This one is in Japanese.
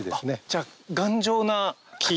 じゃあ頑丈な木？